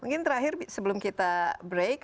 mungkin terakhir sebelum kita break